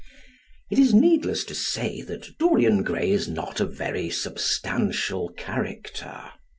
It is needless to say that Dorian Gray is not a very substantial character.